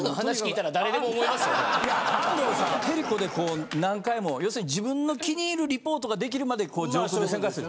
いや安藤さんヘリコで何回も要するに自分の気に入るリポートが出来るまで上空で旋回する。